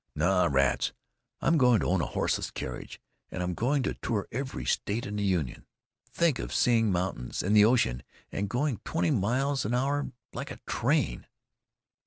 "No. Rats! I'm going to own a horseless carriage, and I'm going to tour every state in the Union.... Think of seeing mountains! And the ocean! And going twenty miles an hour, like a train!"